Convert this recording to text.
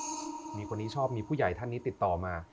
มีคนนี้ชอบมีผู้ใหญ่ท่านนี้ติดต่อมา